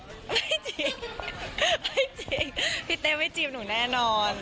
ไม่จริงพี่เต้ไม่จีบหนูแน่นอน